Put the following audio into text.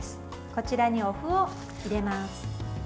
こちらにお麩を入れます。